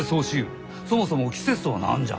そもそも季節とは何じゃ？